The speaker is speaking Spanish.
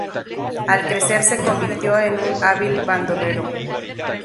Al crecer se convirtió en un hábil bandolero.